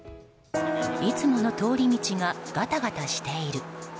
いつもの通り道がガタガタしている。